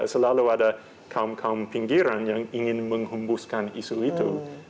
selalu ada kaum kaum pinggiran yang ingin menghembuskan isu itu